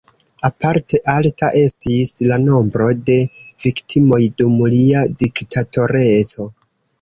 Aparte alta estis la nombro de viktimoj dum lia diktatoreco.